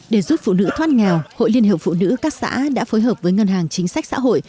để giúp phụ nữ thoát nghèo hội liên hiệp phụ nữ các xã đã phối hợp với ngân hàng chính sách xã hội